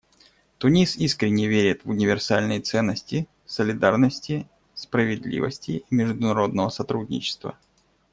Тунис искренне верит в универсальные ценности солидарности, справедливости и международного сотрудничества.